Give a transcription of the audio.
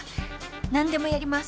なんでもやります！